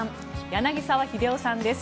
柳澤秀夫さんです。